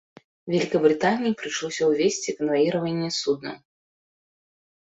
Вялікабрытаніі прыйшлося ўвесці канваіраванне суднаў.